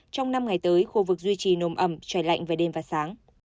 trong năm ngày tới khu vực duy trì nồm ẩm trời lạnh về đêm và sáng